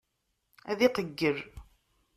Ad iqeyyel.